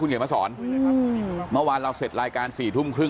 คุณเกียรติพระสรอืมเมื่อวานเราเสร็จรายการสี่ทุ่มครึ่ง